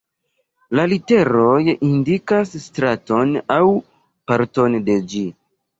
La literoj indikas straton aŭ parton de ĝi.